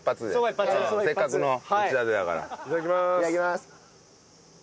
いただきます。